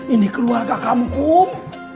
ini keluarga kamu kum